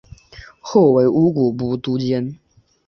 后为乌古部都监。